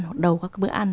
hoặc đầu các cái bữa ăn